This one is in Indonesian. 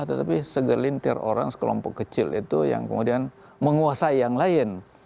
tetapi segelintir orang sekelompok kecil itu yang kemudian menguasai yang lain